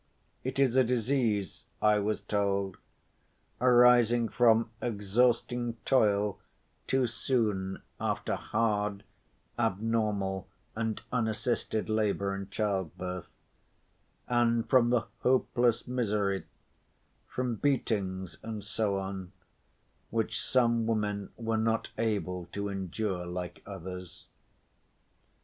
It is a disease, I was told, arising from exhausting toil too soon after hard, abnormal and unassisted labor in childbirth, and from the hopeless misery, from beatings, and so on, which some women were not able to endure like others.